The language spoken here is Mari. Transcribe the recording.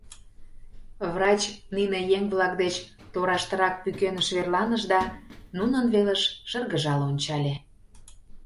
Врач нине еҥ-влак деч тораштырак пӱкенеш верланыш да нунын велыш шыргыжал ончале.